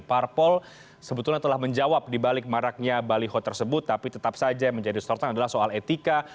parpol sebetulnya telah menjawab dibalik maraknya baliho tersebut tapi tetap saja yang menjadi sorotan adalah soal etika